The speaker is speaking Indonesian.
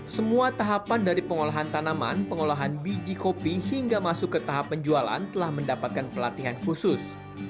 semua tahapan dari pengolahan tanaman pengolahan biji kopi hingga masuk ke tahap penjualan telah mendapatkan pelatihan khusus